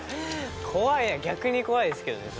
怖い逆に怖いですけどね